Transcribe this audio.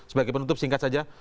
sebagai penutup singkat saja